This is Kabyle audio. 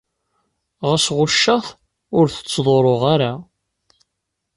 Ɣas ɣucceɣ-t, ur t-ttḍurruɣ ara.